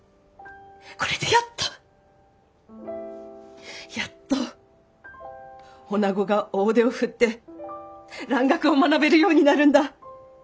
これでやっとやっと女子が大手を振って蘭学を学べるようになるんだ！